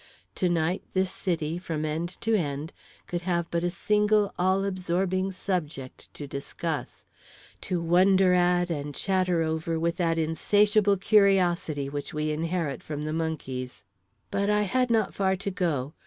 To night, this city, from end to end, could have but a single all absorbing subject to discuss to wonder at and chatter over with that insatiable curiosity which we inherit from the monkeys. But I had not far to go.